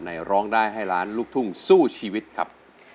ร้องได้ให้ล้านลูกทุ่งสู้ชีวิตครับ